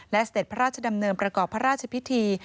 และเสด็จพระราชดำเนินประกอบพระราชพิธี